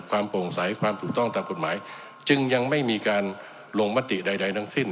โปร่งใสความถูกต้องตามกฎหมายจึงยังไม่มีการลงมติใดทั้งสิ้น